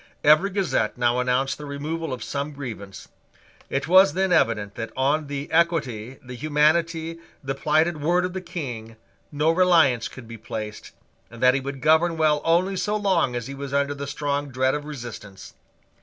Every Gazette now announced the removal of some grievance. It was then evident that on the equity, the humanity, the plighted word of the King, no reliance could be placed, and that he would govern well only so long as he was under the strong dread of resistance.